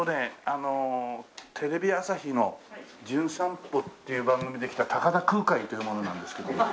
あのテレビ朝日の『じゅん散歩』っていう番組で来た高田空海という者なんですけども。